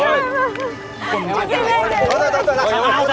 chị xin em chị